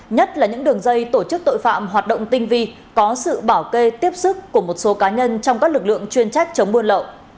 nhất là những đường dây tổ chức tội phạm hoạt động tinh vi có sự bảo kê tiếp sức của một số cá nhân trong các lực lượng chuyên trách chống buôn lậu